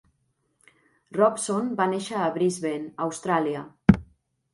Robson va néixer a Brisbane, Austràlia.